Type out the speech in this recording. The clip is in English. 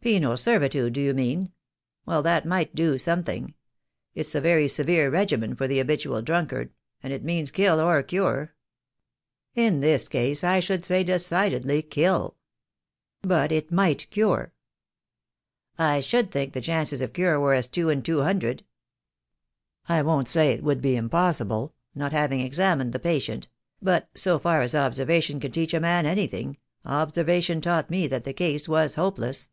"Penal servitude do you mean? Well, that might do something ! It's a very severe regimen for the habitual drunkard — and it means kill or cure. In this case I should say decidedly kill." "But it might cure." "I should think the chances of cure were as two in two hundred. I won't say it would be impossible, not having examined the patient — but so far as observation can teach a man anything, observation taught me that the case was hopeless."